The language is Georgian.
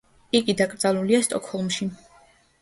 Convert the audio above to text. იგი დაკრძალულია სტოკჰოლმში.